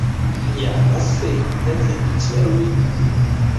Yaba se yazindutse iya rubika?